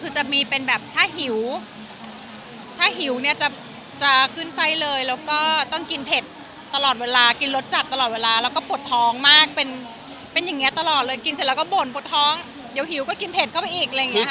คือจะมีเป็นแบบถ้าหิวถ้าหิวเนี่ยจะขึ้นไส้เลยแล้วก็ต้องกินเผ็ดตลอดเวลากินรสจัดตลอดเวลาแล้วก็ปวดท้องมากเป็นอย่างนี้ตลอดเลยกินเสร็จแล้วก็บ่นปวดท้องเดี๋ยวหิวก็กินเผ็ดเข้าไปอีกอะไรอย่างนี้ค่ะ